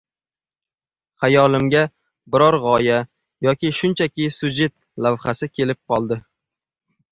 Xayolimga biror g‘oya yoki shunchaki syujet lavhasi kelib qoldi